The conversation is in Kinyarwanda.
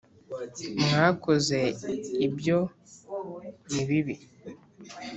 Mwakoze Ibyo Ni Bibi